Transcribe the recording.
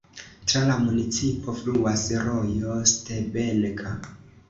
Tra la municipo fluas rojo Stebenka.